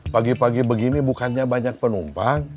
pagi pagi begini bukannya banyak penumpang